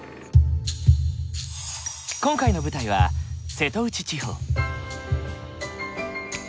今回の舞台は瀬戸内地方。